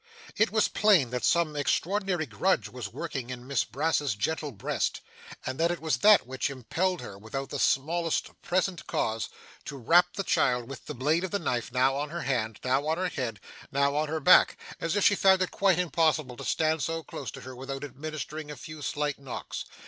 It was plain that some extraordinary grudge was working in Miss Brass's gentle breast, and that it was that which impelled her, without the smallest present cause, to rap the child with the blade of the knife, now on her hand, now on her head, and now on her back, as if she found it quite impossible to stand so close to her without administering a few slight knocks.